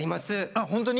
あっ本当に？